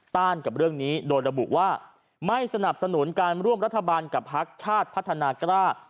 ต้านกับเรื่องนี้โดยระบุว่าไม่สนับสนุนการร่วมรัฐบาลกับพักชาติพัฒนากล้า